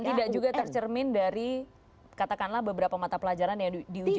dan tidak juga tercermin dari katakanlah beberapa mata pelajaran yang diuji dari un itu ya